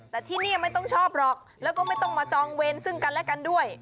แต่ที่นี่ไม่ต้องชอบหรอกแล้วก็ไม่ต้องมาจองเวรซึ่งกันและกันด้วย